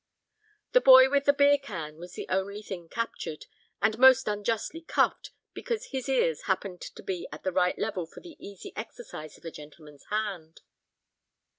The boy with the beer can was the only thing captured, and most unjustly cuffed because his ears happened to be at the right level for the easy exercise of a gentleman's hand.